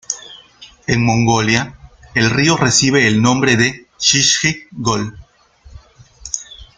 En Mongolia, el río recibe el nombre de "Shishjid-Gol".